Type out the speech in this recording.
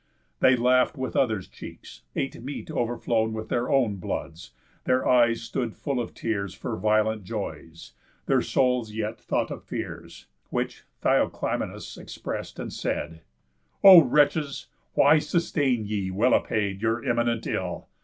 They laugh'd with others' cheeks, ate meat o'erflown With their own bloods, their eyes stood full of tears For violent joys; their souls yet thought of fears, Which Theoclymenus express'd, and said: "O wretches! Why sustain ye, well apaid, Your imminent ill?